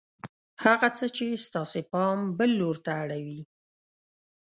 هغه څه چې ستاسې پام بل لور ته اړوي